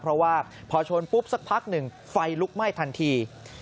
เพราะว่าพอชนปุ๊บสักพักหนึ่งไฟลุกไหม้ทันที